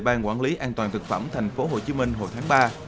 ban quản lý an toàn thực phẩm tp hcm hồi tháng ba